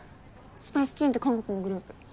スパイスチューンって韓国のグループ。